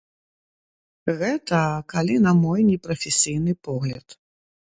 Гэта калі на мой непрафесійны погляд.